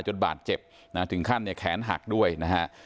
จนบาดเจ็บนะถึงขั้นเนี่ยแขนหักด้วยนะฮะ